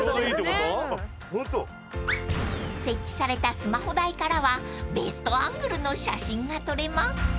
［設置されたスマホ台からはベストアングルの写真が撮れます］